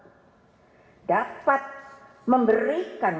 mereka juga sempat memberikan